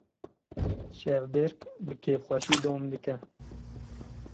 Şevbêrk bi kêfxweşî dom dike.